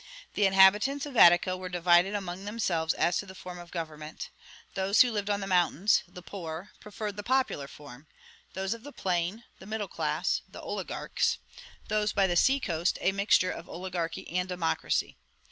"The inhabitants of Attica were divided among themselves as to the form of government. Those who lived on the mountains (the poor) preferred the popular form; those of the plain (the middle class), the oligarchs; those by the sea coast, a mixture of oligarchy and democracy.